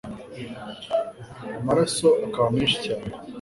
amaraso akaba menshi cyane